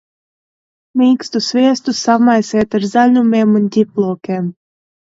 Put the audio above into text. Mīkstu sviestu samaisiet ar zaļumiem un ķiplokiem.